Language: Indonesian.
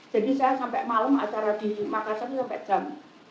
jadi saya sampai malam acara di makassar itu sampai jam